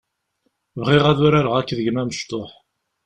Bɣiɣ ad urareɣ akked gma amecṭuḥ.